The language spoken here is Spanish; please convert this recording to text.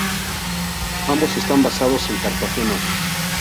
Ambos están basados en Cartagena.